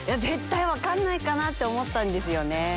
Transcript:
絶対分かんないかと思ったんですよね。